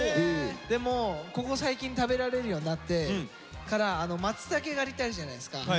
でもここ最近食べられるようになってからマツタケ狩りってあるじゃないですか。